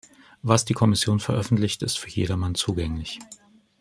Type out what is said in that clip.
Was die Kommission veröffentlicht, ist für jedermann zugänglich.